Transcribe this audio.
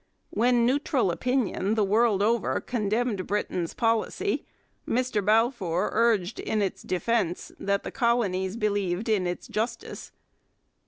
When neutral opinion the world over condemned Britain's policy, Mr Balfour urged in its defence that the colonies believed in its justice.